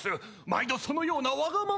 毎度そのようなわがままを。